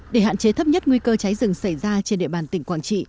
để hạn chế thấp nhất nguy cơ cháy rừng xảy ra trên địa bàn tỉnh quảng trị